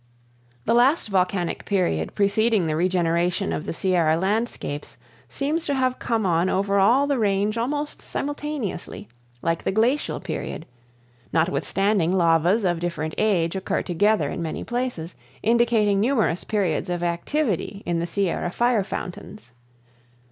The last volcanic period preceding the regeneration of the Sierra landscapes seems to have come on over all the range almost simultaneously, like the glacial period, notwithstanding lavas of different age occur together in many places, indicating numerous periods of activity in the Sierra fire fountains.